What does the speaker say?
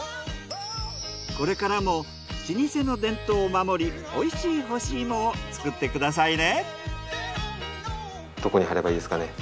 これからも老舗の伝統を守り美味しい干し芋を作ってくださいね。